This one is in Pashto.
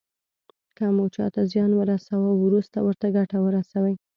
که مو چاته زیان ورساوه وروسته ورته ګټه ورسوئ.